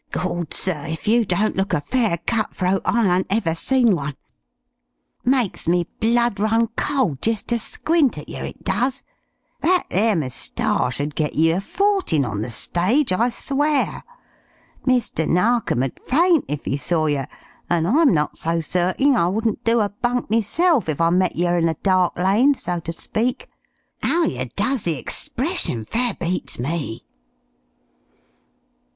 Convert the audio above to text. Gawd! sir, if you don't looka fair cut throat I an't ever seen one. "Makes me blood run cold jist ter squint at yer, it does! That there moustache 'ud git yer a fortin' on the stage, I swear. Mr. Narkom'd faint if 'e saw yer, an' I'm not so certing I wouldn't do a bunk meself, if I met yer in a dark lane, so to speak. 'Ow yer does the expression fair beats me."